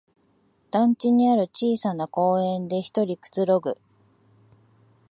団地にある小さな公園でひとりくつろぐ